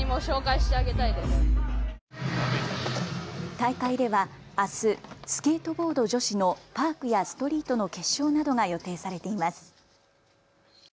大会ではあすスケートボード女子のパークやストリートの決勝などが予定されています。